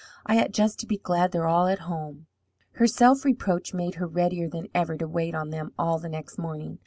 "I ought just to be glad they're all at home." Her self reproach made her readier than ever to wait on them all the next morning.